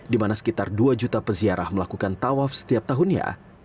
di mana sekitar dua juta peziarah melakukan tawaf setiap tahunnya